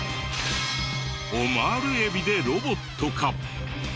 オマール海老でロボットか？